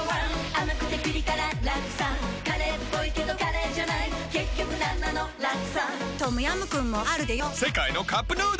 甘くてピリ辛ラクサカレーっぽいけどカレーじゃない結局なんなのラクサトムヤムクンもあるでヨ世界のカップヌードル